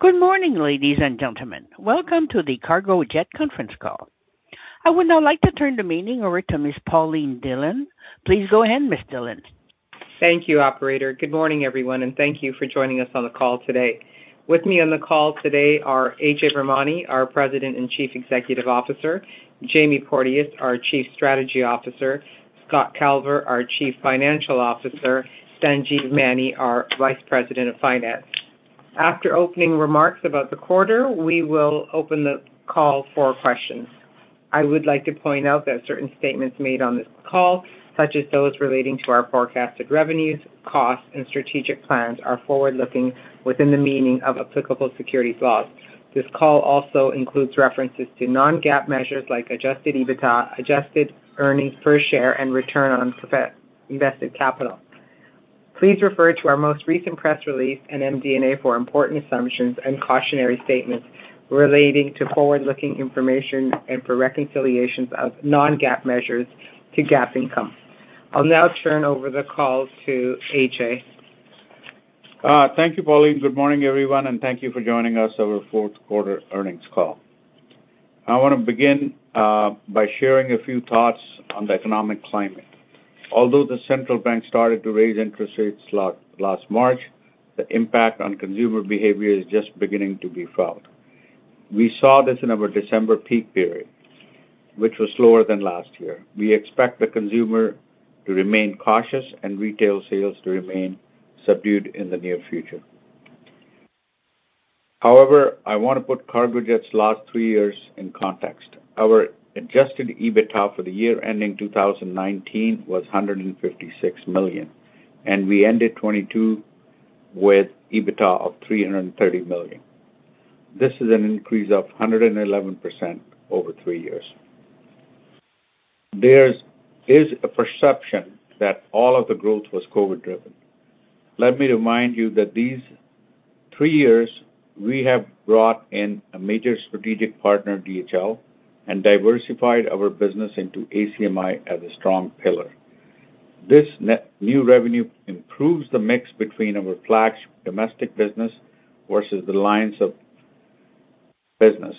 Good morning, ladies and gentlemen. Welcome to the Cargojet conference call. I would now like to turn the meeting over to Ms. Pauline Dhillon. Please go ahead, Ms. Dhillon. Thank you, operator. Good morning, everyone, and thank you for joining us on the call today. With me on the call today are Ajay Virmani, our President and Chief Executive Officer, Jamie Porteous, our Chief Strategy Officer, Scott Calver, our Chief Financial Officer, Sanjeev Maini, our Vice President of Finance. After opening remarks about the quarter, we will open the call for questions. I would like to point out that certain statements made on this call, such as those relating to our forecasted revenues, costs, and strategic plans, are forward-looking within the meaning of applicable securities laws. This call also includes references to non-GAAP measures like Adjusted EBITDA, Adjusted Earnings Per Share, and Return on Invested Capital. Please refer to our most recent press release in MD&A for important assumptions and cautionary statements relating to forward-looking information and for reconciliations of non-GAAP measures to GAAP income. I'll now turn over the call to Ajay. Thank you, Pauline. Good morning, everyone, and thank you for joining us on our Q4 earnings call. I wanna begin by sharing a few thoughts on the economic climate. Although the central bank started to raise interest rates last March, the impact on consumer behavior is just beginning to be felt. We saw this in our December peak period, which was slower than last year. We expect the consumer to remain cautious and retail sales to remain subdued in the near future. However, I wanna put Cargojet's last 3 years in context. Our Adjusted EBITDA for the year ending 2019 was 156 million, and we ended 2022 with EBITDA of 330 million. This is an increase of 111% over 3 years. There is a perception that all of the growth was COVID driven. Let me remind you that these 3 years, we have brought in a major strategic partner, DHL, and diversified our business into ACMI as a strong pillar. This new revenue improves the mix between our flagship domestic business versus the lines of business.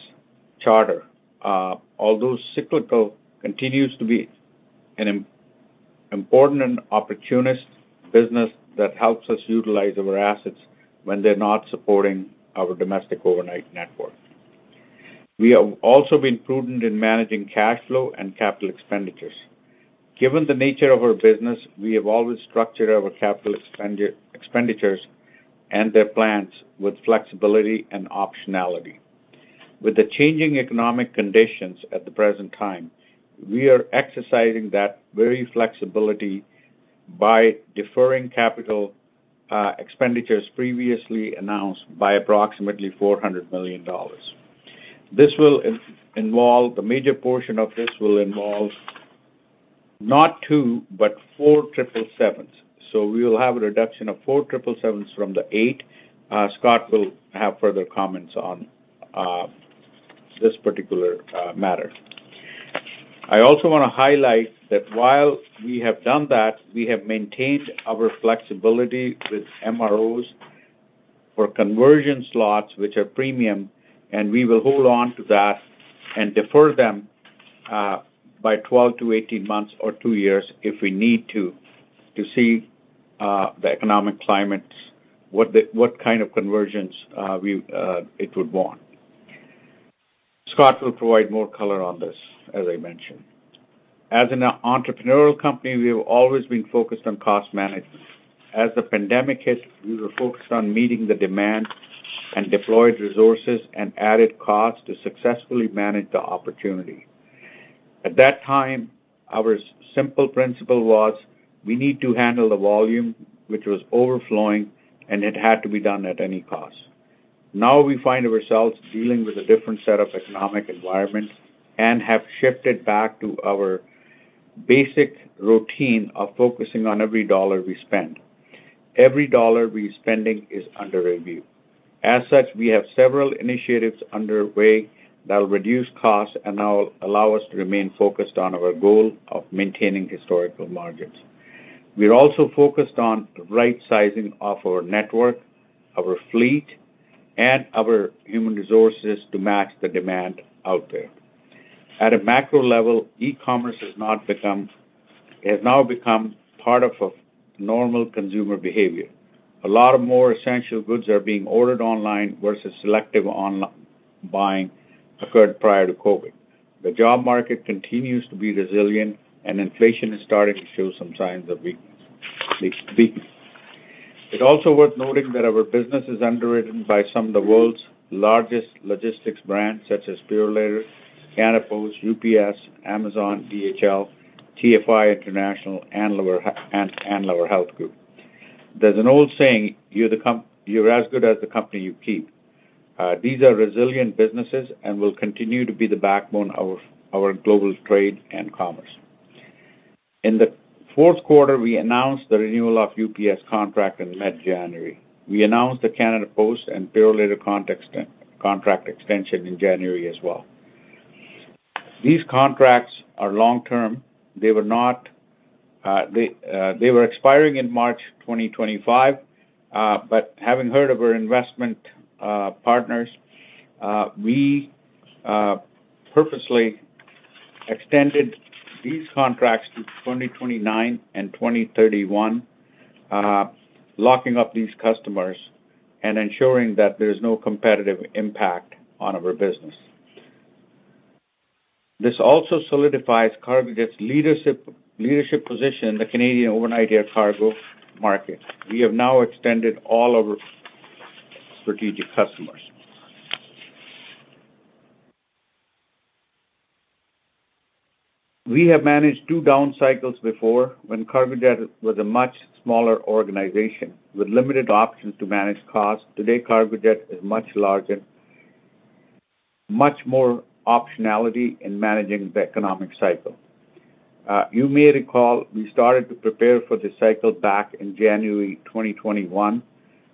Charter, although cyclical, continues to be an important and opportunist business that helps us utilize our assets when they're not supporting our domestic overnight network. We have also been prudent in managing cash flow and capital expenditures. Given the nature of our business, we have always structured our capital expenditures and their plans with flexibility and optionality. With the changing economic conditions at the present time, we are exercising that very flexibility by deferring capital expenditures previously announced by approximately $400 million. This will involve the major portion of this will involve not 2, but 4 777s. We will have a reduction of 4 777's from the 8. Scott will have further comments on this particular matter. I also wanna highlight that while we have done that, we have maintained our flexibility with MROs for conversion slots which are premium, and we will hold on to that and defer them by 12 to 18 months or 2 years if we need to see the economic climate, what kind of conversions we it would want. Scott will provide more color on this, as I mentioned. As an entrepreneurial company, we have always been focused on cost management. As the pandemic hit, we were focused on meeting the demand and deployed resources and added costs to successfully manage the opportunity. At that time, our simple principle was we need to handle the volume, which was overflowing, and it had to be done at any cost. Now we find ourselves dealing with a different set of economic environment and have shifted back to our basic routine of focusing on every dollar we spend. Every dollar we're spending is under review. As such, we have several initiatives underway that will reduce costs and now allow us to remain focused on our goal of maintaining historical margins. We're also focused on right-sizing of our network, our fleet, and our human resources to match the demand out there. At a macro level, e-commerce has now become part of a normal consumer behavior. A lot of more essential goods are being ordered online versus selective online buying occurred prior to COVID. The job market continues to be resilient, and inflation is starting to show some signs of weakness. It also worth noting that our business is underwritten by some of the world's largest logistics brands such as Purolator, Canada Post, UPS, Amazon, DHL, TFI International, and Liver Health Group. There's an old saying, you're as good as the company you keep. These are resilient businesses and will continue to be the backbone of our global trade and commerce. In the Q4, we announced the renewal of UPS contract in mid-January. We announced the Canada Post and Purolator contract extension in January as well. These contracts are long term. They were not, they were expiring in March 2025. Having heard of our investment partners, we purposely extended these contracts to 2029 and 2031, locking up these customers and ensuring that there is no competitive impact on our business. This also solidifies Cargojet's leadership position in the Canadian overnight air cargo market. We have now extended all our strategic customers. We have managed 2 down cycles before when Cargojet was a much smaller organization with limited options to manage costs. Today, Cargojet is much larger, much more optionality in managing the economic cycle. You may recall we started to prepare for this cycle back in January 2021,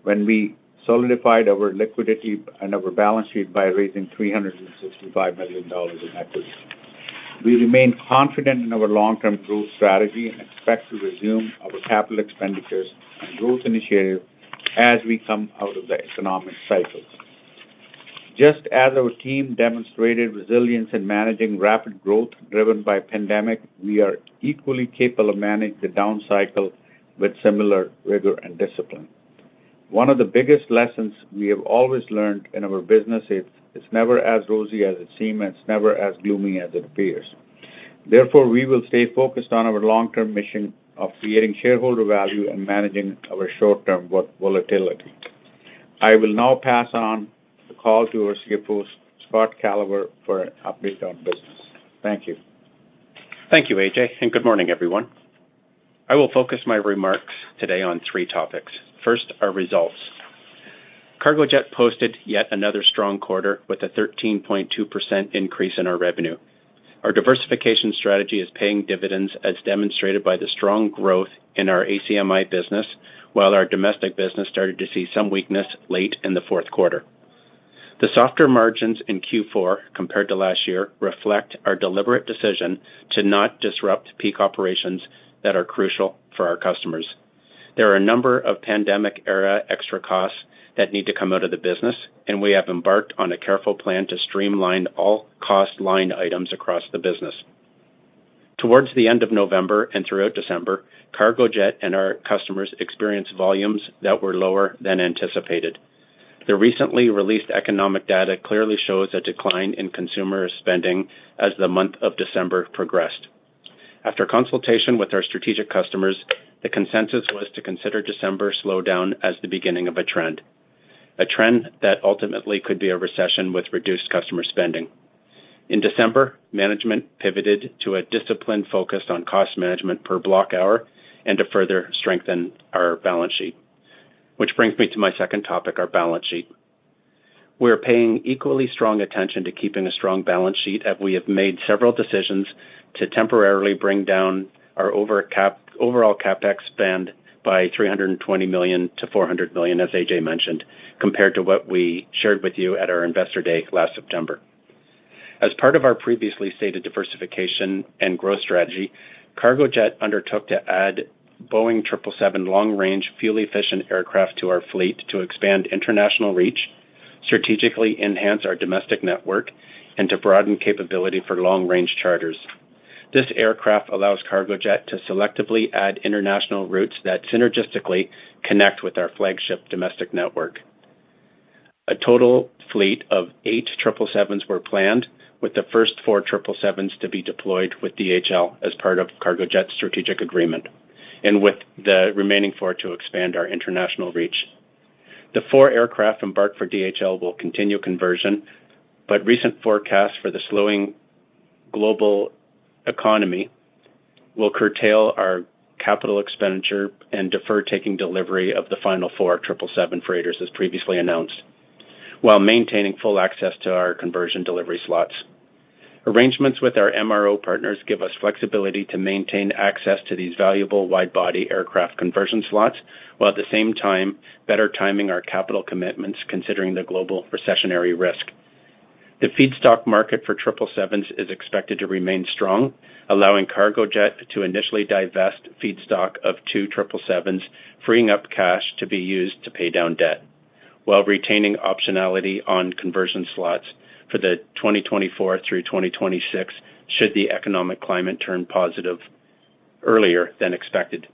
when we solidified our liquidity and our balance sheet by raising 365 million dollars in equity. We remain confident in our long-term growth strategy and expect to resume our capital expenditures and growth initiative as we come out of the economic cycles. Just as our team demonstrated resilience in managing rapid growth driven by pandemic, we are equally capable of managing the down cycle with similar rigor and discipline. One of the biggest lessons we have always learned in our business is it's never as rosy as it seems, and it's never as gloomy as it appears. Therefore, we will stay focused on our long-term mission of creating shareholder value and managing our short-term volatility. I will now pass on the call to our CFO, Scott Calver, for an update on business. Thank you. Thank you, AJ. Good morning, everyone. I will focus my remarks today on 3 topics. First, our results. Cargojet posted yet another strong quarter with a 13.2% increase in our revenue. Our diversification strategy is paying dividends as demonstrated by the strong growth in our ACMI business. Our domestic business started to see some weakness late in the Q4. The softer margins in Q4 compared to last year reflect our deliberate decision to not disrupt peak operations that are crucial for our customers. There are a number of pandemic era extra costs that need to come out of the business, and we have embarked on a careful plan to streamline all cost line items across the business. Towards the end of November and throughout December, Cargojet and our customers experienced volumes that were lower than anticipated. The recently released economic data clearly shows a decline in consumer spending as the month of December progressed. After consultation with our strategic customers, the consensus was to consider December slowdown as the beginning of a trend, a trend that ultimately could be a recession with reduced customer spending. Which brings me to my 2nd topic, our balance sheet. We are paying equally strong attention to keeping a strong balance sheet, and we have made several decisions to temporarily bring down our overall CapEx spend by 320 million-400 million, as Ajay mentioned, compared to what we shared with you at our Investor Day last September. As part of our previously stated diversification and growth strategy, Cargojet undertook to add Boeing 777 long range, fuel efficient aircraft to our fleet to expand international reach, strategically enhance our domestic network, and to broaden capability for long range charters. This aircraft allows Cargojet to selectively add international routes that synergistically connect with our flagship domestic network. A total fleet of 8 777s were planned, with the 1st 4 777s to be deployed with DHL as part of Cargojet's strategic agreement, and with the remaining 4 to expand our international reach. The 4 aircraft embarked for DHL will continue conversion, but recent forecasts for the slowing global economy will curtail our capital expenditure and defer taking delivery of the final 4 777 freighters as previously announced, while maintaining full access to our conversion delivery slots. Arrangements with our MRO partners give us flexibility to maintain access to these valuable wide-body aircraft conversion slots, while at the same time better timing our capital commitments considering the global recessionary risk. The feedstock market for 777 is expected to remain strong, allowing Cargojet to initially divest feedstock of 2 777s, freeing up cash to be used to pay down debt, while retaining optionality on conversion slots for the 2024 through 2026 should the economic climate turn positive earlier than expected.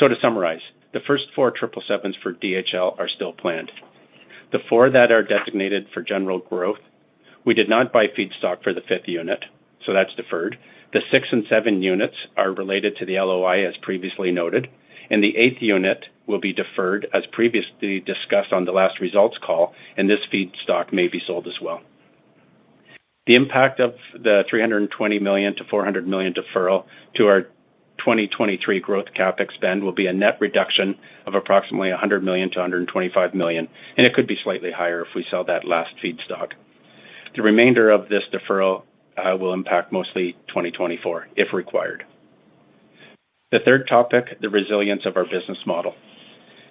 To summarize, the 1st 4 777s for DHL are still planned. The 4 that are designated for general growth, we did not buy feedstock for the 5th unit, so that's deferred. The 6 and 7 units are related to the LOI, as previously noted, and the 8th unit will be deferred, as previously discussed on the last results call, and this feedstock may be sold as well. The impact of the 320 million-400 million deferral to our 2023 growth CapEx spend will be a net reduction of approximately 100 million-125 million, and it could be slightly higher if we sell that last feedstock. The remainder of this deferral will impact mostly 2024, if required. The 3rd topic, the resilience of our business model.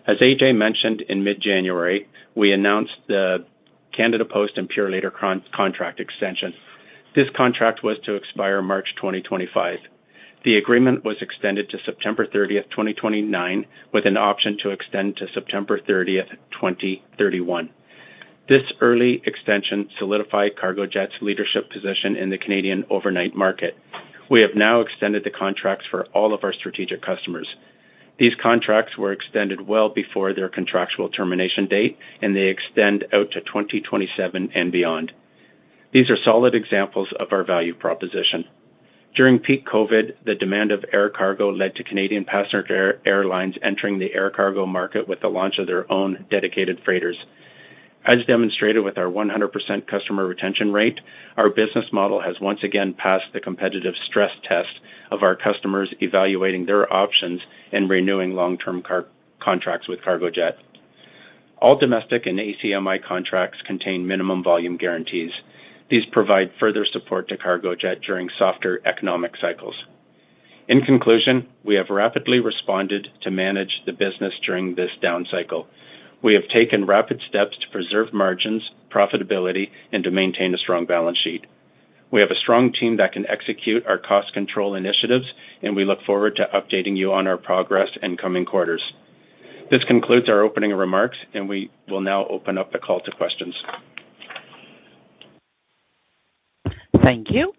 As AJ mentioned, in mid-January, we announced the Canada Post and Purolator contract extension. This contract was to expire March 2025. The agreement was extended to September 30th, 2029, with an option to extend to September 30th, 2031. This early extension solidified Cargojet's leadership position in the Canadian overnight market. We have now extended the contracts for all of our strategic customers. These contracts were extended well before their contractual termination date, they extend out to 2027 and beyond. These are solid examples of our value proposition. During peak COVID, the demand of air cargo led to Canadian passenger airlines entering the air cargo market with the launch of their own dedicated freighters. As demonstrated with our 100% customer retention rate, our business model has once again passed the competitive stress test of our customers evaluating their options and renewing long-term contracts with Cargojet. All domestic and ACMI contracts contain minimum volume guarantees. These provide further support to Cargojet during softer economic cycles. In conclusion, we have rapidly responded to manage the business during this down cycle. We have taken rapid steps to preserve margins, profitability, and to maintain a strong balance sheet. We have a strong team that can execute our cost control initiatives, we look forward to updating you on our progress in coming quarters. This concludes our opening remarks, we will now open up the call to questions. Thank you.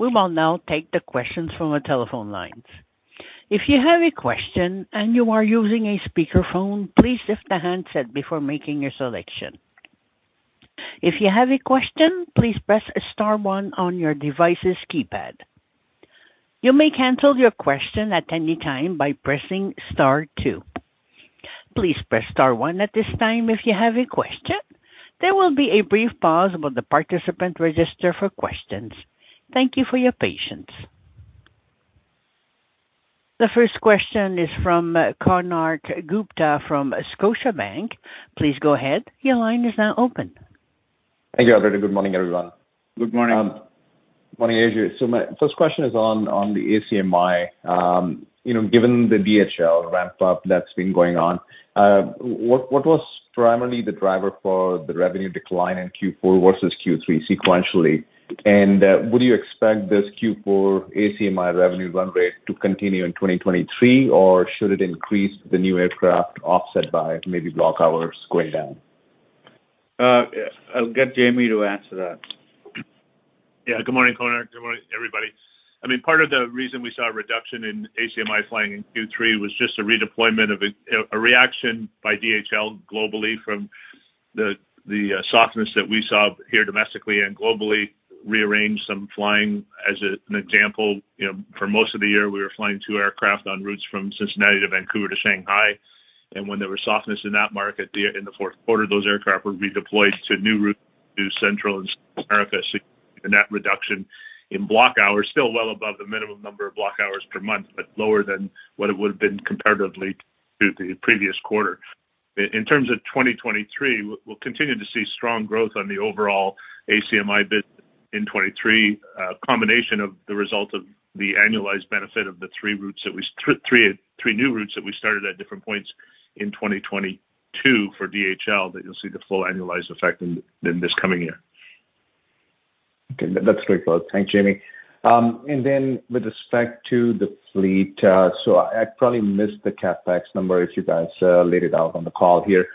We will now take the questions from the telephone lines. If you have a question and you are using a speakerphone, please lift the handset before making your selection. If you have a question, please press * 1 on your device's keypad. You may cancel your question at any time by pressing * 2. Please press * 1 at this time if you have a question. There will be a brief pause while the participant register for questions. Thank you for your patience. The 1st question is from Konark Gupta from Scotiabank. Please go ahead. Your line is now open. Thank you, operator. Good morning, everyone. Good morning. Good morning, AJ. My 1st question is on the ACMI. You know, given the DHL ramp up that's been going on, what was primarily the driver for the revenue decline in Q4 versus Q3 sequentially? Would you expect this Q4 ACMI revenue run rate to continue in 2023 or should it increase the new aircraft offset by maybe block hours going down? I'll get Jamie to answer that. Good morning, Konark. Good morning, everybody. I mean, part of the reason we saw a reduction in ACMI flying in Q3 was just a redeployment of a reaction by DHL globally from the softness that we saw here domestically and globally rearranged some flying. As an example, you know, for most of the year, we were flying 2 aircraft on routes from Cincinnati to Vancouver to Shanghai. When there was softness in that market in the Q4, those aircraft would be deployed to new routes to Central and South America. That reduction in block hours still well above the minimum number of block hours per month, lower than what it would have been comparatively to the previous quarter. In terms of 2023, we'll continue to see strong growth on the overall ACMI business in 2023, combination of the result of the annualized benefit of the 3 new routes that we started at different points in 2022 for DHL that you'll see the full annualized effect in this coming year. Okay. That's very close. Thanks, Jamie. With respect to the fleet, I probably missed the CapEx number, if you guys laid it out on the call here.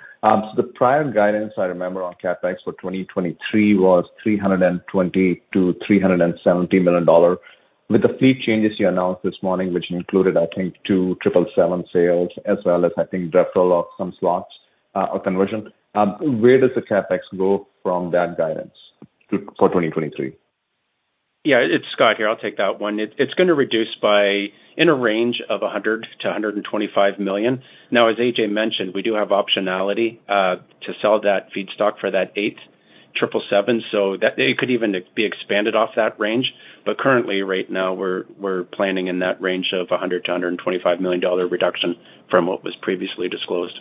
The prior guidance I remember on CapEx for 2023 was 320 million-370 million dollar. With the fleet changes you announced this morning, which included, I think, 2 777 sales as well as I think some conversion slots, where does the CapEx go from that guidance for 2023? It's Scott here. I'll take that one. It's gonna reduce by in a range of 100 million-125 million. Now, as AJ mentioned, we do have optionality to sell that feedstock for that 8 777's, so that it could even be expanded off that range. Currently, right now we're planning in that range of 100 million-125 million dollar reduction from what was previously disclosed.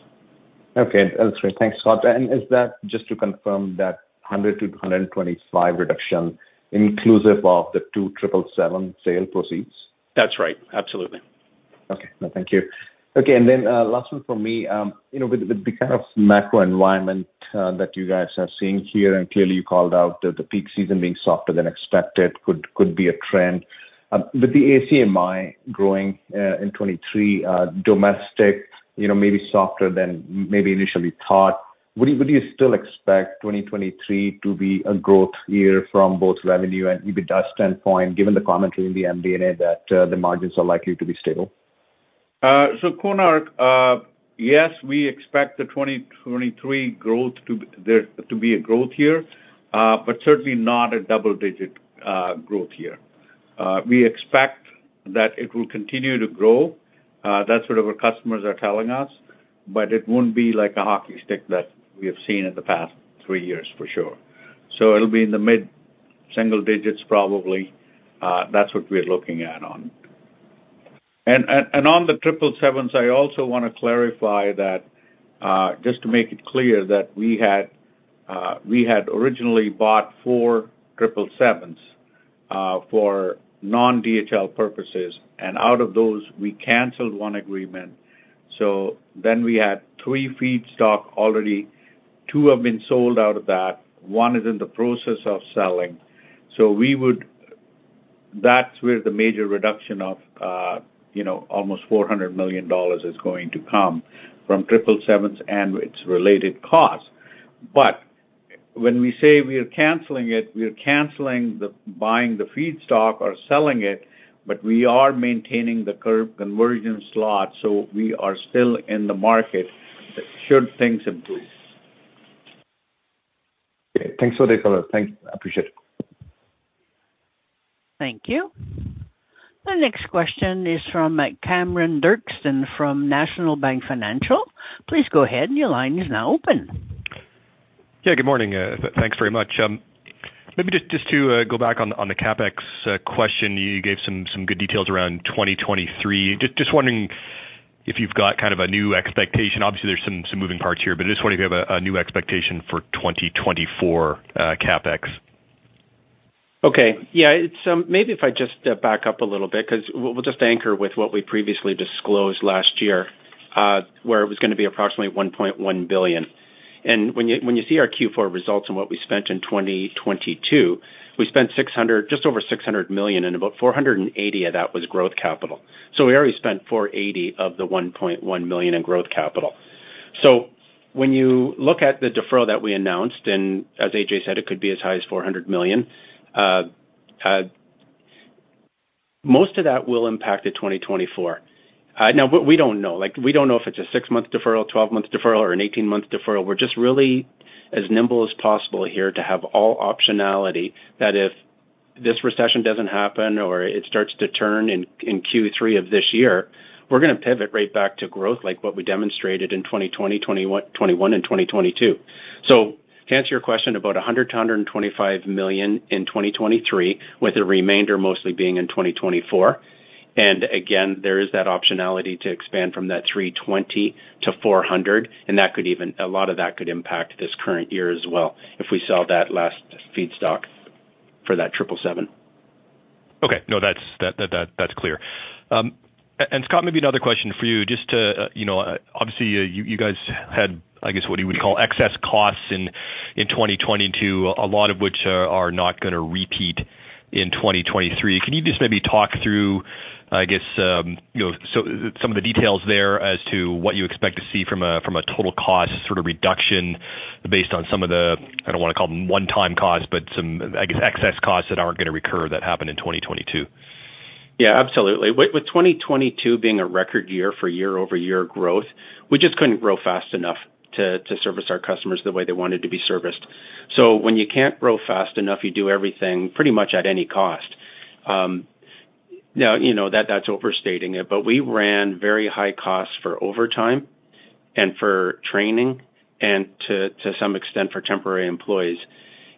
Okay, that's great. Thanks, Scott. Is that just to confirm that 100-125 reduction inclusive of the 2 777 sale proceeds? That's right. Absolutely. Okay. No, thank you. Okay. Then, last 1 for me. You know, with the kind of macro environment that you guys are seeing here, clearly you called out that the peak season being softer than expected could be a trend, with the ACMI growing in 23, domestic, you know, may be softer than maybe initially thought, would you still expect 2023 to be a growth year from both revenue and EBITDA standpoint, given the commentary in the MD&A that the margins are likely to be stable? Konark, yes, we expect the 2023 growth to be a growth year, but certainly not a double digit growth year. We expect that it will continue to grow. That's what our customers are telling us, but it won't be like a hockey stick that we have seen in the past 3 years for sure. It'll be in the mid-single digits, probably. That's what we're looking at on. On the 777's, I also wanna clarify that, just to make it clear that we had We had originally bought 4 777's for non-DHL purposes, out of those we canceled 1 agreement. We had 3 feedstock already. 2 have been sold out of that. 1 is in the process of selling. That's where the major reduction of, you know, almost 400 million dollars is going to come from 777's and its related costs. When we say we are canceling it, we are canceling the buying the feedstock or selling it, we are maintaining the current conversion slot, we are still in the market should things improve. Okay. Thanks for the color. Thanks. I appreciate it. Thank you. The next question is from Cameron Doerksen from National Bank Financial. Please go ahead. Your line is now open. Good morning. Thanks very much. Maybe just to go back on the CapEx question. You gave some good details around 2023. Just wondering if you've got kind of a new expectation. Obviously, there's some moving parts here, but I just wonder if you have a new expectation for 2024, CapEx. Okay. Maybe if I just back up a little bit because we'll just anchor with what we previously disclosed last year, where it was gonna be approximately 1.1 billion. When you see our Q4 results and what we spent in 2022, we spent just over 600 million, and about 480 million of that was growth capital. We already spent 480 million of the 1.1 million in growth capital. When you look at the deferral that we announced, and as AJ said, it could be as high as 400 million. Most of that will impact the 2024. Now we don't know. Like, we don't know if it's a 6-month deferral, 12-month deferral, or an 18-month deferral. We're just really as nimble as possible here to have all optionality that if this recession doesn't happen or it starts to turn in Q3 of this year, we're going to pivot right back to growth like what we demonstrated in 2020, 2021, and 2022. To answer your question, about 100 million-125 million in 2023, with the remainder mostly being in 2024. Again, there is that optionality to expand from that 320-400. A lot of that could impact this current year as well if we sell that last feedstock for that 777. Okay. No. That's, that's clear. Scott, maybe another question for you. Just to, you know, obviously you guys had, I guess, what you would call excess costs in 2022, a lot of which are not gonna repeat in 2023. Can you just maybe talk through, I guess, you know, so some of the details there as to what you expect to see from a, from a total cost sort of reduction based on some of the, I don't wanna call them one-time costs, but some, I guess, excess costs that aren't gonna recur that happened in 2022? Absolutely. With 2022 being a record year for year-over-year growth, we just couldn't grow fast enough to service our customers the way they wanted to be serviced. When you can't grow fast enough, you do everything pretty much at any cost. Now, you know, that's overstating it, but we ran very high costs for overtime and for training and to some extent for temporary employees.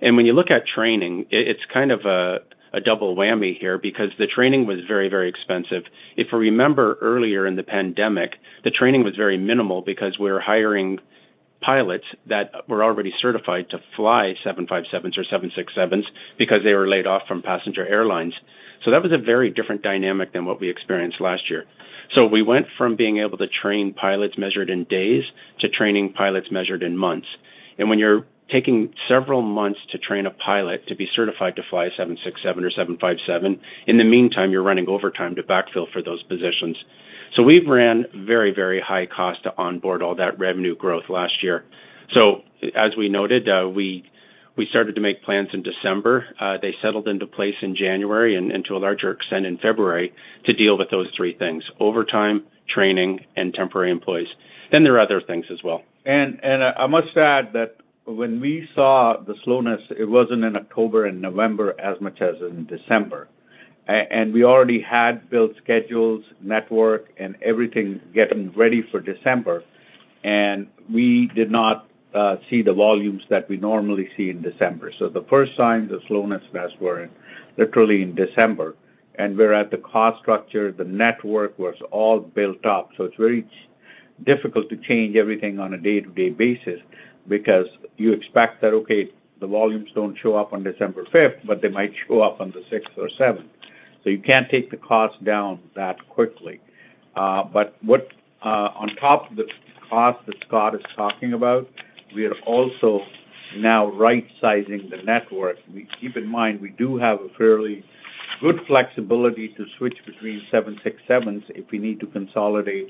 When you look at training, it's kind of a double whammy here because the training was very, very expensive. If we remember earlier in the pandemic, the training was very minimal because we were hiring pilots that were already certified to fly 757s or 767s because they were laid off from passenger airlines. That was a very different dynamic than what we experienced last year. We went from being able to train pilots measured in days to training pilots measured in months. When you're taking several months to train a pilot to be certified to fly a 767 or 757, in the meantime, you're running overtime to backfill for those positions. We've ran very, very high cost to onboard all that revenue growth last year. As we noted, we started to make plans in December. They settled into place in January and to a larger extent in February to deal with those 3 things: overtime, training, and temporary employees. There are other things as well. I must add that when we saw the slowness, it wasn't in October and November as much as in December. We already had built schedules, network, and everything getting ready for December, and we did not see the volumes that we normally see in December. The 1st sign, the slowness, as were in literally in December, and we're at the cost structure, the network was all built up, so it's very difficult to change everything on a day-to-day basis because you expect that, okay, the volumes don't show up on December 5th, but they might show up on the 6th or 7th. You can't take the cost down that quickly. But what on top of the cost that Scott is talking about, we are also now right-sizing the network. Keep in mind, we do have a fairly good flexibility to switch between 767s if we need to consolidate,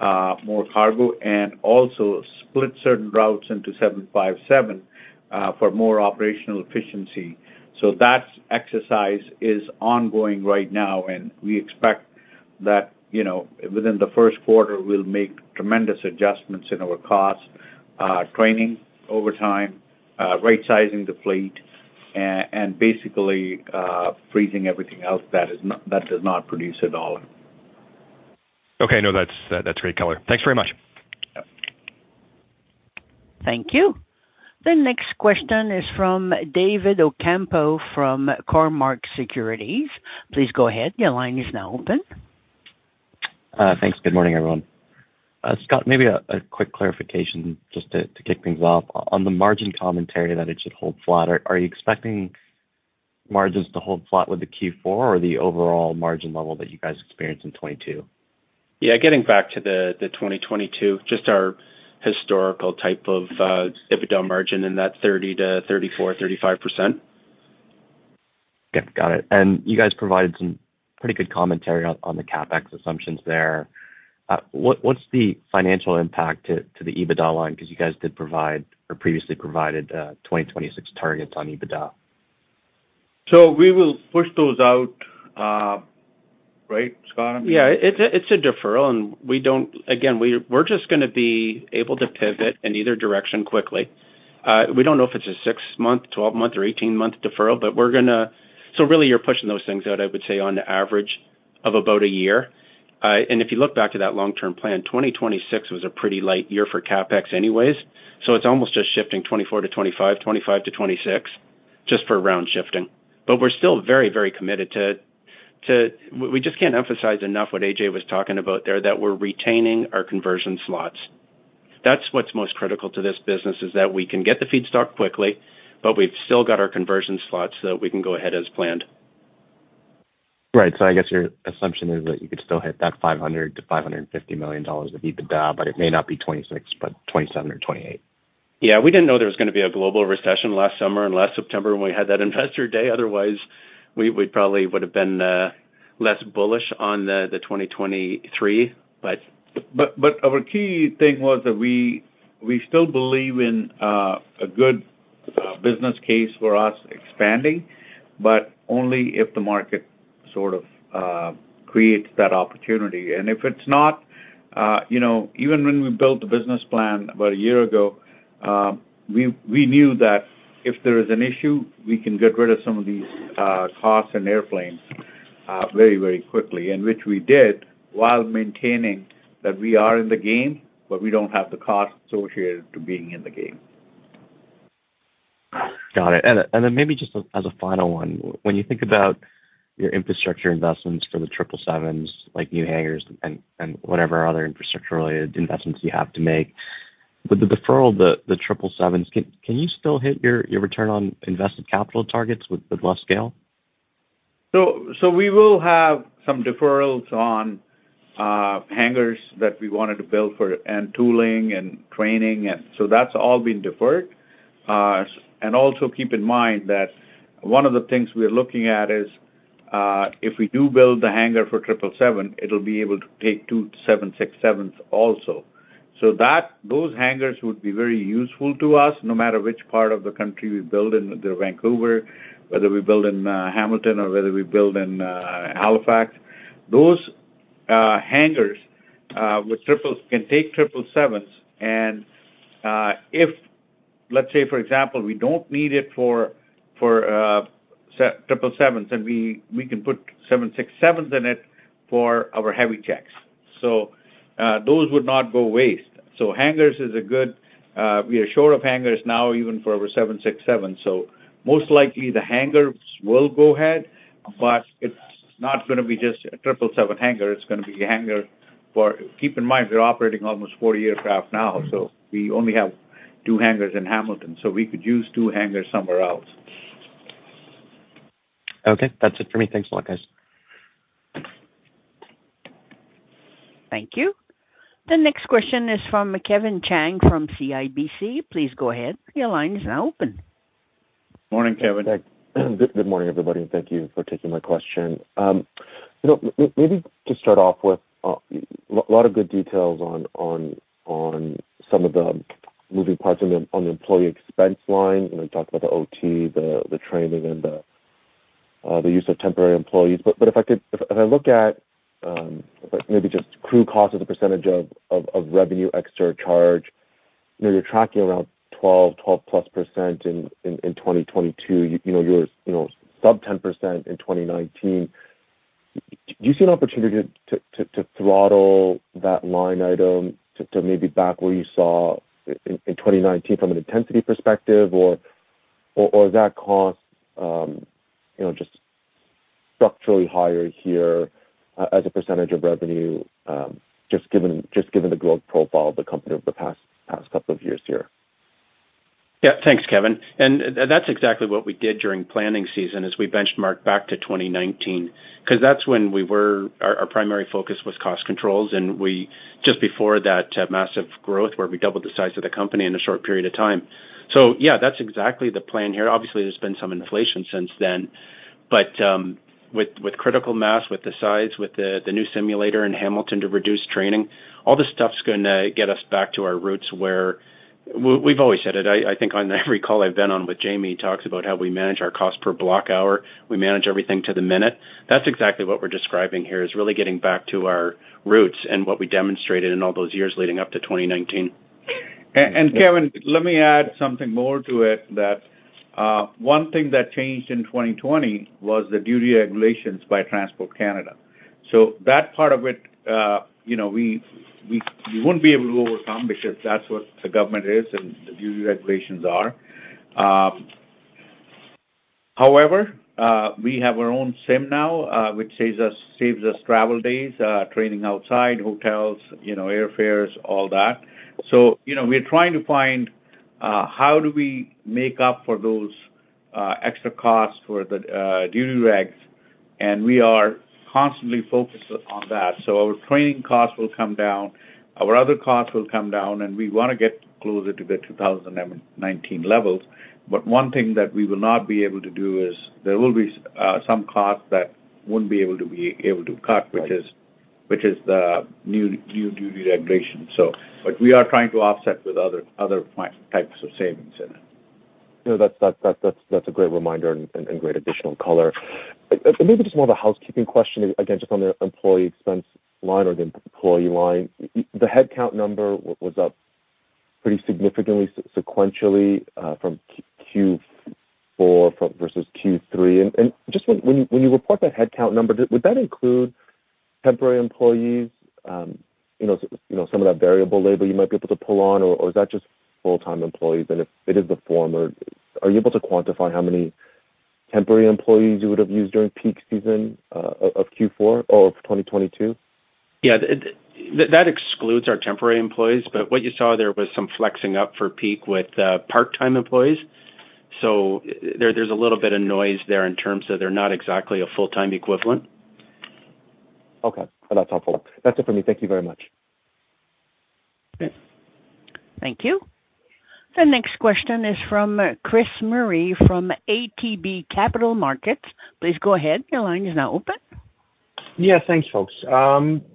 more cargo and also split certain routes into 757, for more operational efficiency. That exercise is ongoing right now, and we expect that, you know, within the Q1 we'll make tremendous adjustments in our cost, training, overtime, right-sizing the fleet, and basically, freezing everything else that does not produce at all. Okay. No. That's great color. Thanks very much. Thank you. The next question is from David Ocampo from Cormark Securities. Please go ahead. Your line is now open. Thanks. Good morning, everyone. Scott, maybe a quick clarification just to kick things off. On the margin commentary that it should hold flat, are you expecting margins to hold flat with the Q4 or the overall margin level that you guys experienced in 2022? Getting back to the 2022, just our historical type of EBITDA margin in that 30% to 34%, 35%. Okay. Got it. You guys provided some pretty good commentary on the CapEx assumptions there. What's the financial impact to the EBITDA line, ‘cause you guys did provide or previously provided 2026 targets on EBITDA? We will push those out. Right, Scott? I mean. It's a, it's a deferral, and again, we're just gonna be able to pivot in either direction quickly. We don't know if it's a 6-month, 12-month, or 18-month deferral. Really you're pushing those things out, I would say, on the average of about 1 year. If you look back to that long-term plan, 2026 was a pretty light year for CapEx anyways. It's almost just shifting 24 to 25 to 26, just for round shifting. We're still very, very committed. We just can't emphasize enough what AJ was talking about there, that we're retaining our conversion slots. That's what's most critical to this business, is that we can get the feedstock quickly, but we've still got our conversion slots so that we can go ahead as planned. Right. I guess your assumption is that you could still hit that $500 million-$550 million of EBITDA, but it may not be 2026, but 2027 or 2028. We didn't know there was gonna be a global recession last summer and last September when we had that investor day. Otherwise, we probably would've been less bullish on the 2023. Our key thing was that we still believe in a good business case for us expanding, but only if the market sort of creates that opportunity. If it's not, you know, even when we built the business plan about a year ago, we knew that if there is an issue, we can get rid of some of these costs and airplanes very quickly, and which we did, while maintaining that we are in the game, but we don't have the cost associated to being in the game. Got it. Maybe just as a final one, when you think about your infrastructure investments for the 777's, like new hangars and whatever other infrastructure-related investments you have to make, with the deferral of the 777's, can you still hit your Return on Invested Capital targets with less scale? We will have some deferrals on hangars that we wanted to build for, and tooling and training and. That's all been deferred. Also keep in mind that one of the things we're looking at is if we do build the hangar for 777, it'll be able to take 2 767s also. That, those hangars would be very useful to us, no matter which part of the country we build in, the Vancouver, whether we build in Hamilton or whether we build in Halifax. Those hangars with can take 777s and if, let's say, for example, we don't need it for 777s, then we can put 767s in it for our heavy checks. Those would not go waste. Hangars is a good. We are short of hangars now even for our 767s. Most likely the hangars will go ahead, but it's not gonna be just a 777 hangar. It's gonna be a hangar for. Keep in mind we're operating almost 4 aircraft now. We only have 2 hangars in Hamilton. We could use 2 hangars somewhere else. Okay. That's it for me. Thanks a lot, guys. Thank you. The next question is from Kevin Chiang from CIBC. Please go ahead. Your line is now open. Morning, Kevin. Good morning, everybody. Thank you for taking my question. you know, maybe to start off with, lot of good details on some of the moving parts on the employee expense line, you know, you talked about the OT, the training and the use of temporary employees. If I could... If I look at, if I maybe just crew cost as a percentage of revenue extra charge, you know, you're tracking around 12%+ in 2022. You know, you know, sub 10% in 2019. Do you see an opportunity to throttle that line item to maybe back where you saw in 2019 from an intensity perspective or is that cost, you know, just structurally higher here as a % of revenue, just given the growth profile of the company over the past couple of years here? Thanks, Kevin. That's exactly what we did during planning season, is we benchmarked back to 2019, because that's when our primary focus was cost controls just before that massive growth where we doubled the size of the company in a short period of time. That's exactly the plan here. Obviously, there's been some inflation since then, but with critical mass, with the size, with the new simulator in Hamilton to reduce training, all this stuff's gonna get us back to our roots where... We've always said it. I think on every call I've been on with Jamie, he talks about how we manage our cost per block hour. We manage everything to the minute. That's exactly what we're describing here, is really getting back to our roots and what we demonstrated in all those years leading up to 2019. Kevin, let me add something more to it, that 1 thing that changed in 2020 was the duty regulations by Transport Canada. That part of it, you know, we wouldn't be able to overcome because that's what the government is and the duty regulations are. However, we have our own SIM now, which saves us travel days, training outside hotels, you know, airfares, all that. You know, we're trying to find how do we make up for those extra costs for the duty regs, and we are constantly focused on that. Our training costs will come down, our other costs will come down, and we want to get closer to the 2019 levels. 1 thing that we will not be able to do is there will be some costs that won't be able to cut, which is the new duty regulation. We are trying to offset with other types of savings. No, that's a great reminder and great additional color. Maybe just more of a housekeeping question. Again, just on the employee expense line or the employee line. The headcount number was up pretty significantly sequentially from Q4 versus Q3. And just when you report that headcount number, would that include temporary employees, you know, some of that variable labor you might be able to pull on, or is that just full-time employees? And if it is the former, are you able to quantify how many temporary employees you would have used during peak season of Q4 or of 2022? That excludes our temporary employees. What you saw there was some flexing up for peak with part-time employees. There's a little bit of noise there in terms of they're not exactly a full-time equivalent. Okay. That's helpful. That's it for me. Thank you very much. Thanks. Thank you. The next question is from Chris Murray from ATB Capital Markets. Please go ahead. Your line is now open. Thanks, folks.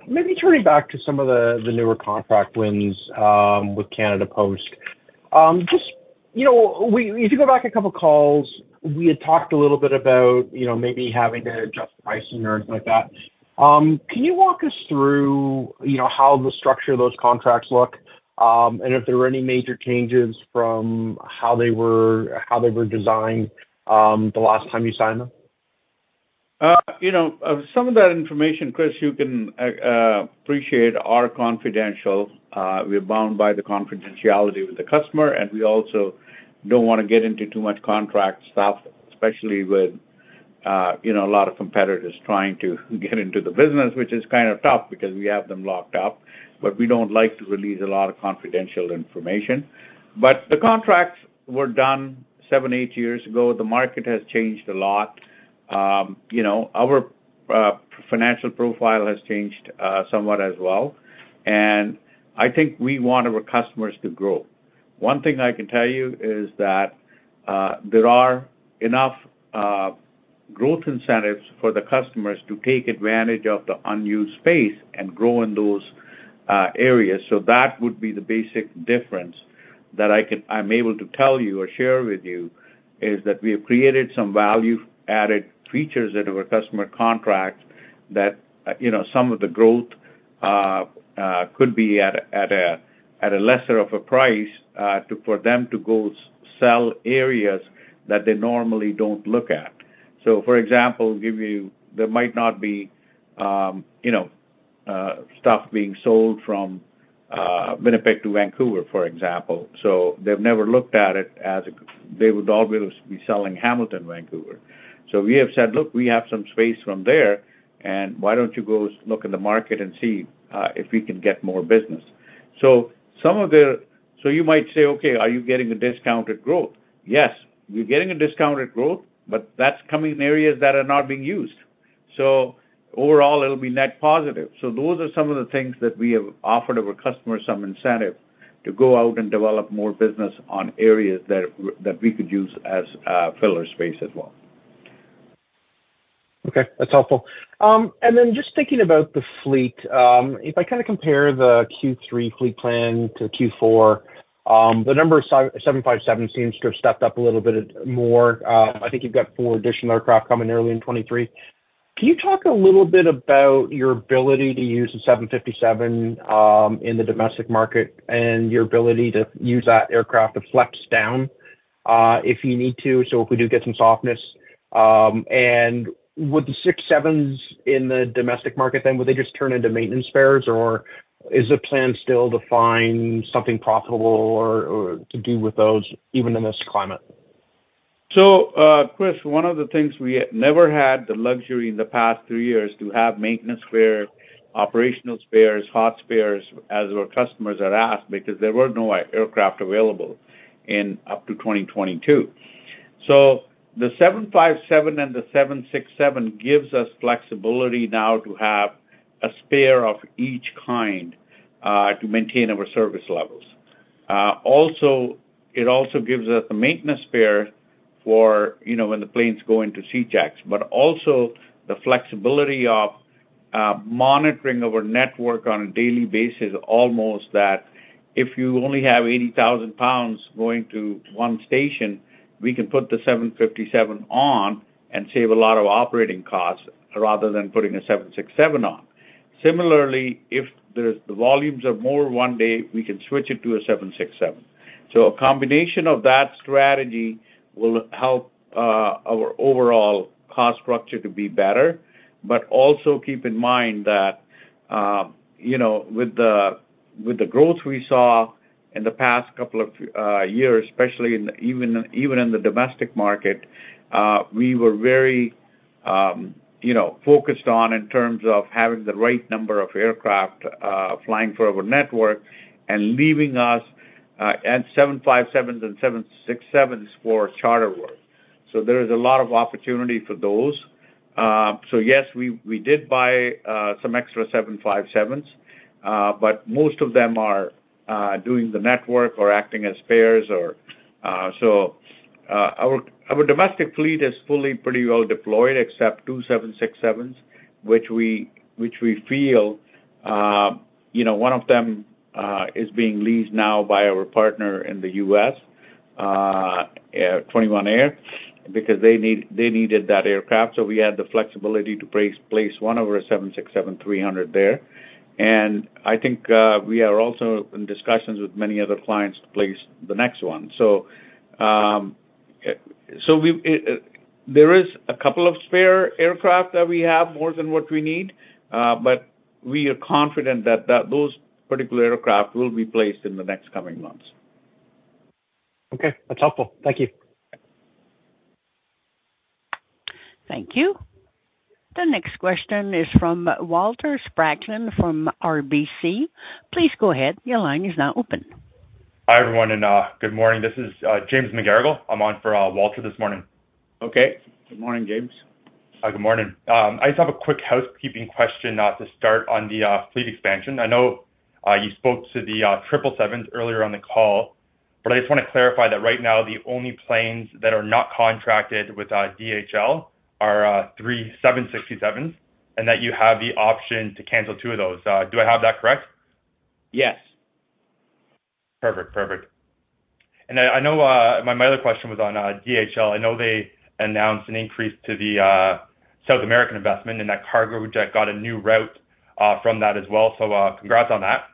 Maybe turning back to some of the newer contract wins with Canada Post. Just, you know, if you go back a couple calls, we had talked a little bit about, you know, maybe having to adjust pricing or things like that. Can you walk us through, you know, how the structure of those contracts look, and if there were any major changes from how they were, how they were designed, the last time you signed them? You know, some of that information, Chris, you can appreciate are confidential. We're bound by the confidentiality with the customer, and we also don't want to get into too much contract stuff, especially with, you know, a lot of competitors trying to get into the business, which is kind of tough because we have them locked up, but we don't like to release a lot of confidential information. The contracts were done 7, 8 years ago. The market has changed a lot. You know, our financial profile has changed somewhat as well, and I think we want our customers to grow. 1 thing I can tell you is that there are enough growth incentives for the customers to take advantage of the unused space and grow in those areas. That would be the basic difference that I'm able to tell you or share with you, is that we have created some value-added features into our customer contract that, you know, some of the growth could be at a lesser of a price for them to go sell areas that they normally don't look at. For example, there might not be, you know, stuff being sold from Winnipeg to Vancouver, for example. They've never looked at it as they would always be selling Hamilton, Vancouver. We have said, "Look, we have some space from there, and why don't you go look in the market and see if we can get more business." You might say, "Okay, are you getting a discounted growth?" Yes, we're getting a discounted growth, but that's coming in areas that are not being used. Overall it'll be net positive. Those are some of the things that we have offered our customers some incentive to go out and develop more business on areas that we could use as filler space as well. Okay, that's helpful. Just thinking about the fleet, if I kinda compare the Q3 fleet plan to Q4, the number of 757 seems to have stepped up a little bit more. I think you've got 4 additional aircraft coming early in 2023. Can you talk a little bit about your ability to use the 757 in the domestic market and your ability to use that aircraft to flex down if you need to, so if we do get some softness. Would the 767s in the domestic market then, would they just turn into maintenance spares, or is the plan still to find something profitable or to do with those even in this climate? Chris, one of the things we never had the luxury in the past 3 years to have maintenance spare, operational spares, hot spares, as our customers had asked, because there were no aircraft available in up to 2022. The 757 and the 767 gives us flexibility now to have a spare of each kind to maintain our service levels. It also gives us a maintenance spare for, you know, when the planes go into C checks, but also the flexibility of monitoring our network on a daily basis, almost that if you only have 80,000 pounds going to 1 station, we can put the 757 on and save a lot of operating costs rather than putting a 767 on. Similarly, if the volumes are more 1 day, we can switch it to a 767. A combination of that strategy will help our overall cost structure to be better. Also keep in mind that, you know, with the growth we saw in the past couple of years, especially in even in the domestic market, we were very, you know, focused on in terms of having the right number of aircraft flying for our network and leaving us at 757s and 767s for charter work. There is a lot of opportunity for those. Yes, we did buy some extra 757s, but most of them are doing the network or acting as spares or, so, our domestic fleet is fully pretty well deployed except 2 767's, which we feel, you know, one of them is being leased now by our partner in the U.S., at 21 Air, because they needed that aircraft, so we had the flexibility to place one of our 767-300 there. I think, we are also in discussions with many other clients to place the next one. There is a couple of spare aircraft that we have more than what we need, but we are confident that those particular aircraft will be placed in the next coming months. Okay. That's helpful. Thank you. Thank you. The next question is from Walter Spracklen from RBC. Please go ahead. Your line is now open. Hi, everyone, and good morning. This is James McGarragle. I'm on for Walter this morning. Okay. Good morning, James. Hi. Good morning. I just have a quick housekeeping question to start on the fleet expansion. I know you spoke to the 777s earlier on the call. I just wanna clarify that right now the only planes that are not contracted with DHL are 3 767s, and that you have the option to cancel 2 of those. Do I have that correct? Yes. Perfect. I know, my other question was on DHL. I know they announced an increase to the South American investment and that cargo, which got a new route from that as well, so congrats on that.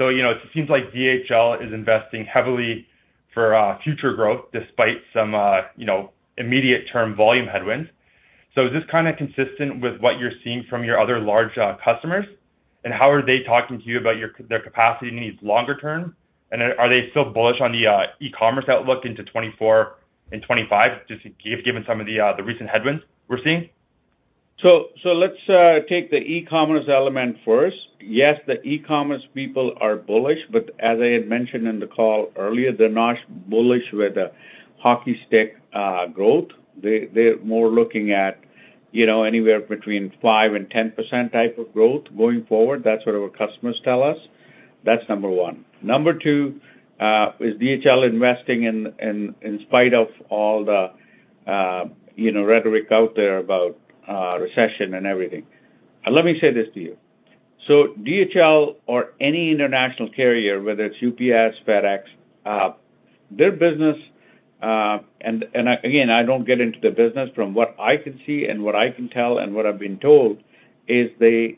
You know, it seems like DHL is investing heavily for future growth despite some, you know, immediate term volume headwinds. Is this kinda consistent with what you're seeing from your other large customers? How are they talking to you about their capacity needs longer term? Are they still bullish on the e-commerce outlook into 2024 and 2025 just given some of the recent headwinds we're seeing? Let's take the e-commerce element first. Yes, the e-commerce people are bullish, but as I had mentioned in the call earlier, they're not bullish with the hockey stick growth. They're more looking at, you know, anywhere between 5% and 10% type of growth going forward. That's what our customers tell us. That's number 1. Number 2, is DHL investing in spite of all the, you know, rhetoric out there about recession and everything. Let me say this to you. DHL or any international carrier, whether it's UPS, FedEx, their business, and again, I don't get into the business from what I can see and what I can tell and what I've been told is the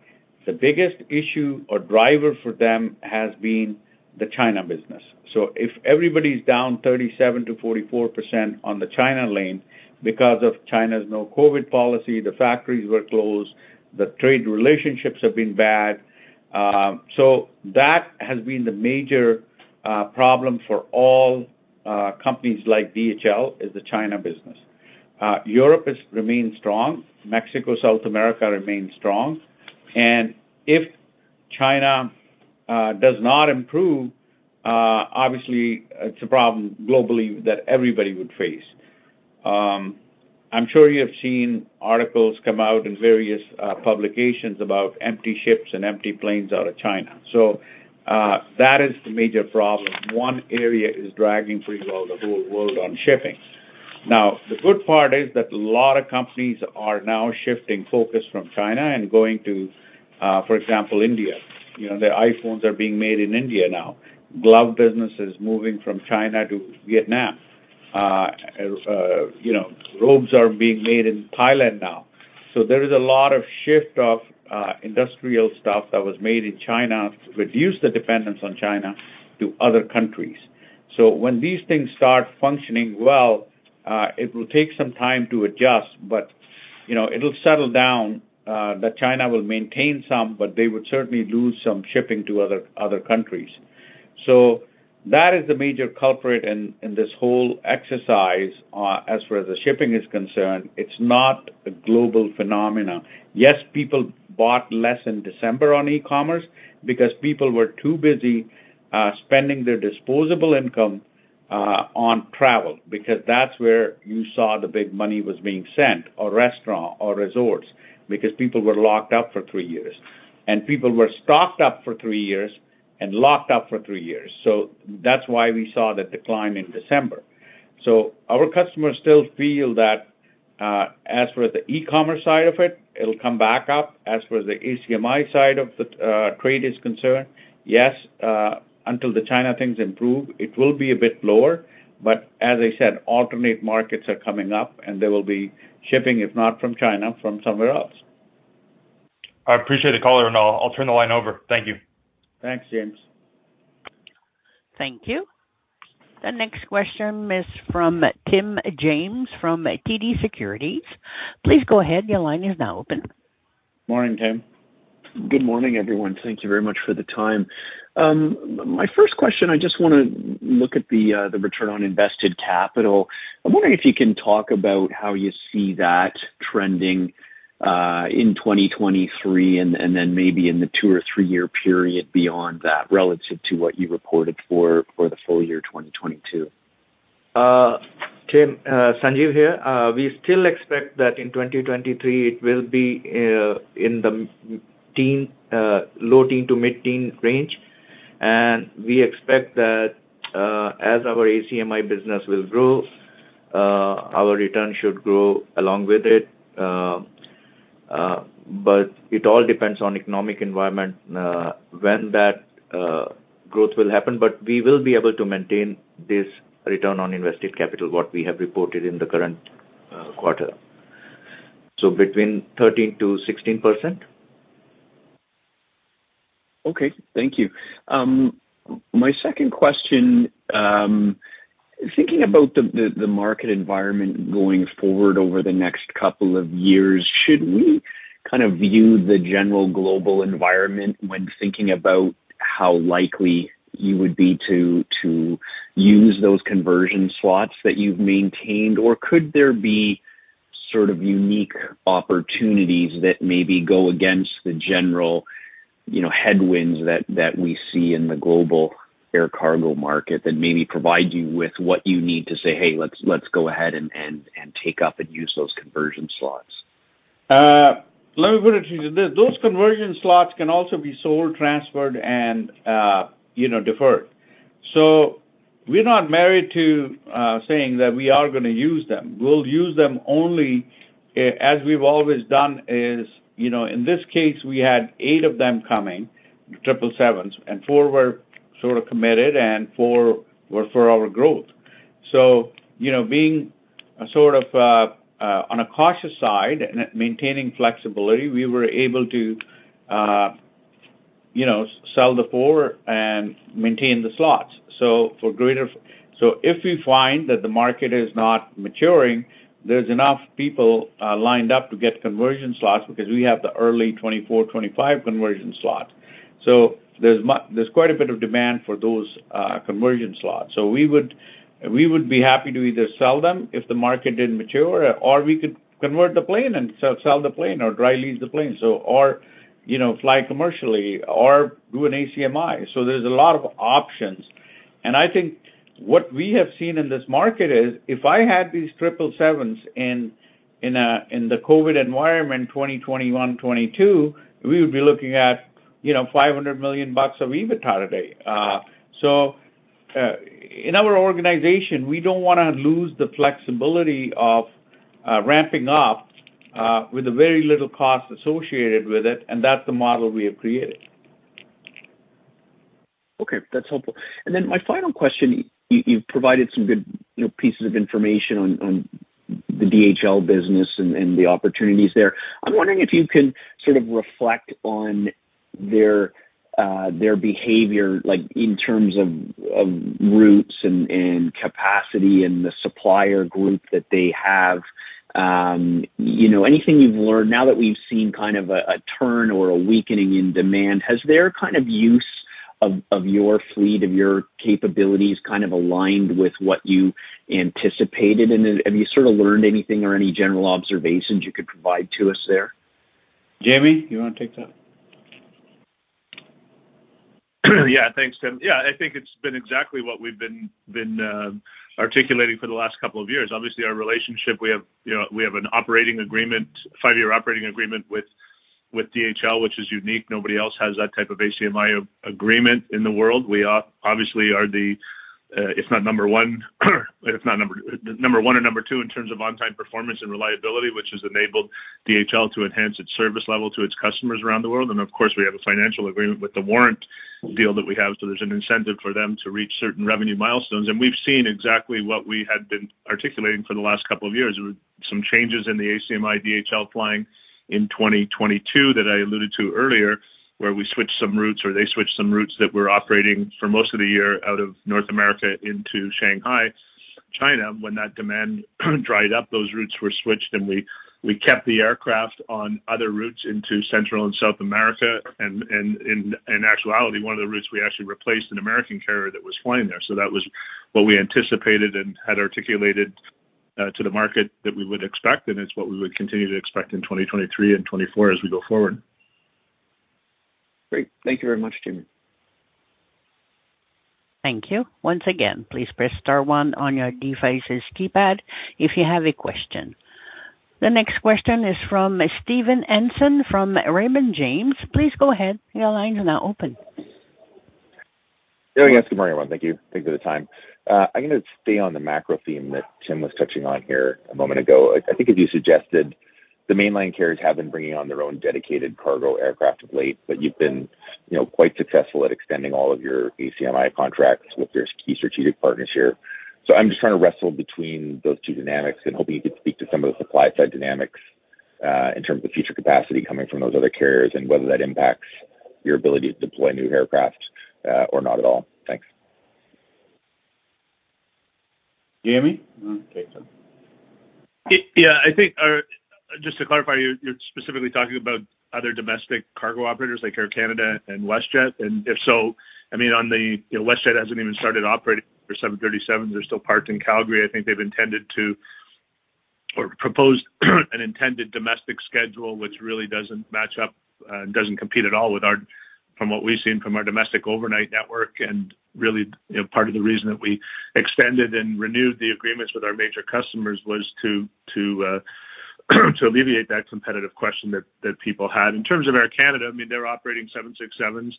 biggest issue or driver for them has been the China business. If everybody's down 37%-44% on the China lane because of China's no COVID policy, the factories were closed, the trade relationships have been bad, that has been the major problem for all companies like DHL, is the China business. Europe has remained strong. Mexico, South America remain strong. If China does not improve, obviously it's a problem globally that everybody would face. I'm sure you have seen articles come out in various publications about empty ships and empty planes out of China. That is the major problem. 1 area is dragging pretty well the whole world on shipping. The good part is that a lot of companies are now shifting focus from China and going to, for example, India. You know, their iPhones are being made in India now. Glove business is moving from China to Vietnam. you know, robes are being made in Thailand now. There is a lot of shift of industrial stuff that was made in China to reduce the dependence on China to other countries. When these things start functioning well, it will take some time to adjust, but, you know, it'll settle down that China will maintain some, but they would certainly lose some shipping to other countries. That is the major culprit in this whole exercise as far as the shipping is concerned. It's not a global phenomena. Yes, people bought less in December on e-commerce because people were too busy spending their disposable income on travel because that's where you saw the big money was being sent, or restaurant or resorts, because people were locked up for 3 years. People were stocked up for 3 years and locked up for 3 years. That's why we saw the decline in December. Our customers still feel that, as for the e-commerce side of it'll come back up. As far as the ACMI side of the trade is concerned, yes, until the China things improve, it will be a bit lower. As I said, alternate markets are coming up, and there will be shipping, if not from China, from somewhere else. I appreciate the color, and I'll turn the line over. Thank you. Thanks, James. Thank you. The next question is from Tim James from TD Securities. Please go ahead. Your line is now open. Morning, Tim. Good morning, everyone. Thank you very much for the time. My 1st question, I just wanna look at the Return on Invested Capital. I'm wondering if you can talk about how you see that trending in 2023 and then maybe in the 2 or 3-year period beyond that, relative to what you reported for the full year 2022. Tim, Sanjeev here. We still expect that in 2023 it will be in the teen, low-teen to mid-teen range. We expect that as our ACMI business will grow, our return should grow along with it. It all depends on economic environment, when that growth will happen. We will be able to maintain this Return on Invested Capital, what we have reported in the current quarter. Between 13%-16%. Okay. Thank you. My 2nd question. Thinking about the market environment going forward over the next couple of years, should we kind of view the general global environment when thinking about how likely you would be to use those conversion slots that you've maintained? Could there be sort of unique opportunities that maybe go against the general, you know, headwinds that we see in the global air cargo market that maybe provide you with what you need to say, "Hey, let's go ahead and take up and use those conversion slots? Let me put it to you this. Those conversion slots can also be sold, transferred, and, you know, deferred. We're not married to saying that we are gonna use them. We'll use them only as we've always done is. You know, in this case, we had 8 of them coming, 777s, and 4 were sort of committed and 4 were for our growth. You know, being sort of on a cautious side and maintaining flexibility, we were able to, you know, sell the 4 and maintain the slots. For greater. If we find that the market is not maturing, there's enough people lined up to get conversion slots because we have the early 2024, 2025 conversion slots. There's quite a bit of demand for those conversion slots. We would be happy to either sell them if the market didn't mature, or we could convert the plane and sell the plane or dry lease the plane. You know, fly commercially or do an ACMI. There's a lot of options. I think what we have seen in this market is if I had these 777's in a, in the COVID environment, 2021, 2022, we would be looking at, you know, $500 million of EBITDA today. In our organization, we don't wanna lose the flexibility of ramping up with a very little cost associated with it, and that's the model we have created. Okay. That's helpful. My final question, you've provided some good, you know, pieces of information on the DHL business and the opportunities there. I'm wondering if you can sort of reflect on their behavior, like, in terms of routes and capacity and the supplier group that they have. You know, anything you've learned now that we've seen kind of a turn or a weakening in demand. Has their kind of use of your fleet, of your capabilities kind of aligned with what you anticipated? Have you sort of learned anything or any general observations you could provide to us there? Jamie, you wanna take that? Thanks, Tim. I think it's been exactly what we've been articulating for the last couple of years. Obviously, our relationship, we have, you know, we have an operating agreement, 5-year operating agreement with DHL, which is unique. Nobody else has that type of ACMI agreement in the world. We obviously are the, if not number 1, if not number 1 or number 2 in terms of on-time performance and reliability, which has enabled DHL to enhance its service level to its customers around the world. Of course, we have a financial agreement with the warrant deal that we have, so there's an incentive for them to reach certain revenue milestones. We've seen exactly what we had been articulating for the last couple of years. There were some changes in the ACMI DHL flying in 2022 that I alluded to earlier, where we switched some routes, or they switched some routes that were operating for most of the year out of North America into Shanghai, China. When that demand dried up, those routes were switched, and we kept the aircraft on other routes into Central and South America. In actuality, one of the routes we actually replaced an American carrier that was flying there. That was what we anticipated and had articulated to the market that we would expect, and it's what we would continue to expect in 2023 and 2024 as we go forward. Great. Thank you very much, Jamie. Thank you. Once again, please press * 1 on your device's keypad if you have a question. The next question is from Stephen Trent from Raymond James. Please go ahead. Your line is now open. Good morning, everyone. Thank you. Thanks for the time. I'm gonna stay on the macro theme that Tim was touching on here a moment ago. I think as you suggested, the mainline carriers have been bringing on their own dedicated cargo aircraft of late, but you've been, you know, quite successful at extending all of your ACMI contracts with your big partners here. I'm just trying to wrestle between those 2 dynamics and hoping you could speak to some of the supply side dynamics in terms of future capacity coming from those other carriers and whether that impacts your ability to deploy new aircraft or not at all. Thanks. Jamie? Okay. I think, just to clarify, you're specifically talking about other domestic cargo operators like Air Canada and WestJet. If so, I mean, on the, WestJet hasn't even started operating for 737. They're still parked in Calgary. I think they've intended to, or proposed an intended domestic schedule, which really doesn't match up, doesn't compete at all with our, from what we've seen from our domestic overnight network. Really, you know, part of the reason that we extended and renewed the agreements with our major customers was to alleviate that competitive question that people had. In terms of Air Canada, I mean, they're operating 767s,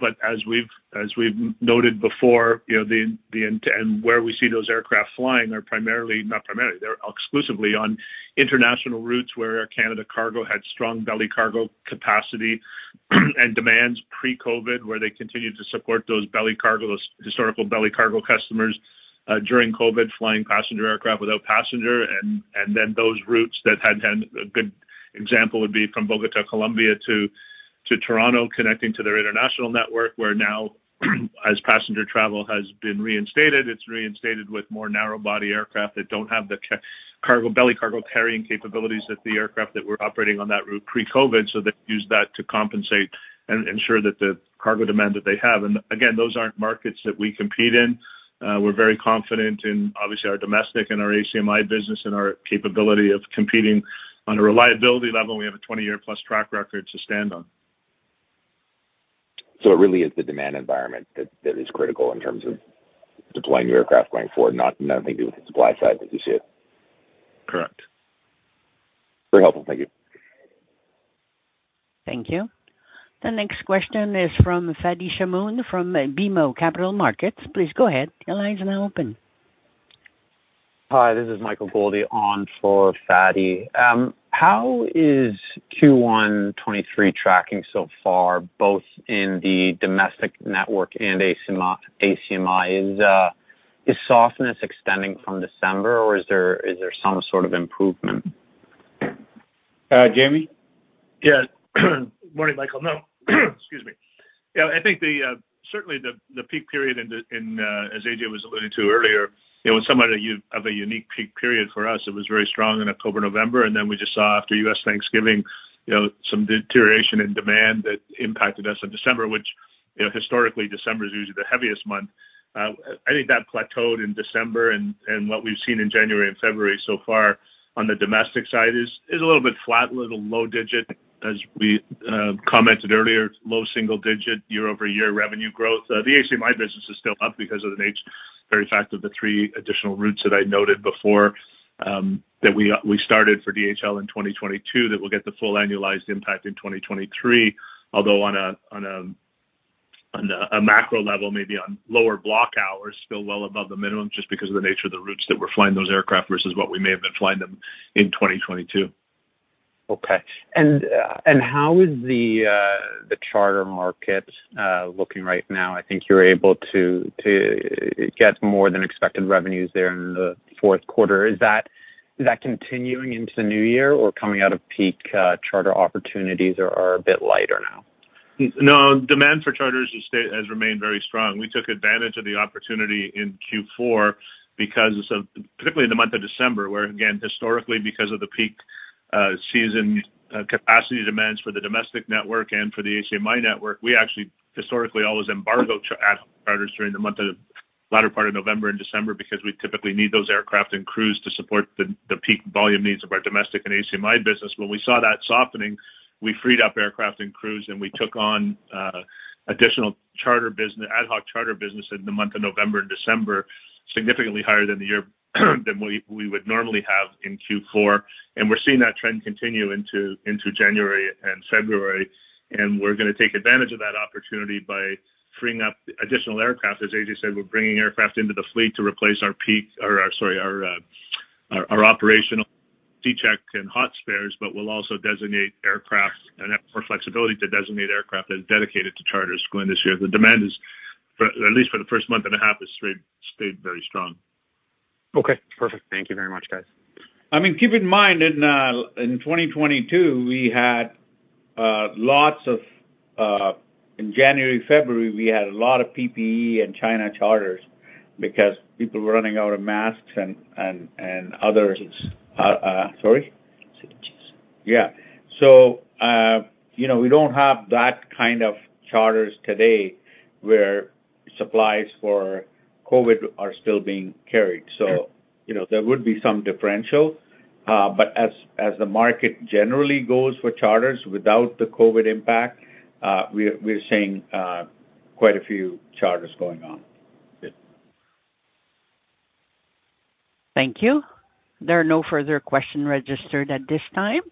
but as we've, as we've noted before, you know, and where we see those aircraft flying are primarily, not primarily, they're exclusively on international routes where Air Canada Cargo had strong belly cargo capacity and demands pre-COVID, where they continued to support those belly cargo, historical belly cargo customers, during COVID, flying passenger aircraft without passenger. Then those routes that had a good example would be from Bogota, Colombia, to Toronto, connecting to their international network, where now as passenger travel has been reinstated, it's reinstated with more narrow-body aircraft that don't have the cargo, belly cargo carrying capabilities that the aircraft that we're operating on that route pre-COVID. They use that to compensate and ensure that the cargo demand that they have. Again, those aren't markets that we compete in. We're very confident in, obviously, our domestic and our ACMI business and our capability of competing on a reliability level. We have a 20-year+ track record to stand on. It really is the demand environment that is critical in terms of deploying the aircraft going forward, nothing to do with the supply side, as you see it. Correct. Very helpful. Thank you. Thank you. The next question is from Fadi Shamoun from BMO Capital Markets. Please go ahead. Your line is now open. Hi, this is Michael Goldie on for Fadi. How is Q1 '23 tracking so far, both in the domestic network and ACMI? Is softness extending from December, or is there some sort of improvement? Jamie? Yes. Morning, Michael. No. Excuse me. I think the certainly the peak period in the, in, as AJ was alluding to earlier, you know, when somebody you- of a unique peak period for us, it was very strong in October, November, and then we just saw after US Thanksgiving, you know, some deterioration in demand that impacted us in December, which, you know, historically December is usually the heaviest month. I think that plateaued in December and what we've seen in January and February so far on the domestic side is a little bit flat, a little low digit, as we commented earlier, low single digit year-over-year revenue growth. The ACMI business is still up because of the nature, very fact of the 3 additional routes that I noted before, that we started for DHL in 2022, that will get the full annualized impact in 2023. Although on a macro level, maybe on lower block hours, still well above the minimum, just because of the nature of the routes that we started flying those aircraft versus what we may have been flying them in 2022. Okay. How is the charter market looking right now? I think you're able to get more than expected revenues there in the Q4. Is that continuing into the new year or coming out of peak charter opportunities or are a bit lighter now? No, demand for charters has remained very strong. We took advantage of the opportunity in Q4 because of, particularly in the month of December, where again, historically, because of the peak season, capacity demands for the domestic network and for the ACMI network, we actually historically always embargoed ad hoc charters during the month of the latter part of November and December because we typically need those aircraft and crews to support the peak volume needs of our domestic and ACMI business. When we saw that softening, we freed up aircraft and crews, and we took on additional charter business, ad hoc charter business in the month of November and December, significantly higher than the year than we would normally have in Q4. We're seeing that trend continue into January and February, and we're gonna take advantage of that opportunity by freeing up additional aircraft. As AJ said, we're bringing aircraft into the fleet to replace our operational D Check and hot spare, but we'll also designate aircraft and have more flexibility to designate aircraft as dedicated to charters going this year. The demand is, for at least for the 1st month and a half has stayed very strong. Okay, perfect. Thank you very much, guys. I mean, keep in mind, in 2022, we had lots of in January, February, we had a lot of PPE and China charters because people were running out of masks and others. Sorry? You know, we don't have that kind of charters today where supplies for COVID are still being carried. You know, there would be some differential. But as the market generally goes for charters without the COVID impact, we're seeing, quite a few charters going on. Good. Thank you. There are no further question registered at this time.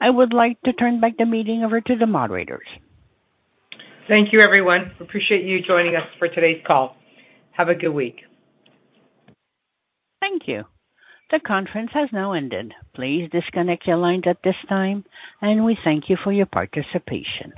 I would like to turn back the meeting over to the moderators. Thank you, everyone. Appreciate you joining us for today's call. Have a good week. Thank you. The conference has now ended. Please disconnect your lines at this time, and we thank you for your participation.